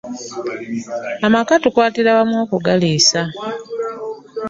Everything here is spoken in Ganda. Amaka tukwatira wamu okugaliisa.